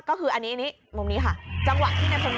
โอ้โหอีกมุมนึง